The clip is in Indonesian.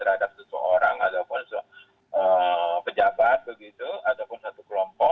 atau seorang ataupun seorang pejabat begitu ataupun satu kelompok